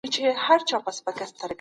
د هر چا موندنه باید په خپل نوم یاده سی.